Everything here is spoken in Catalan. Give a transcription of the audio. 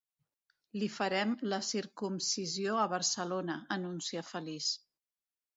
Li farem la circumcisió a Barcelona, anuncia feliç.